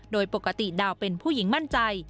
โดยปกติดาวเป็นผู้หญิงมั่นใจ